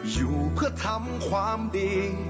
อยู่เพื่อทำความดี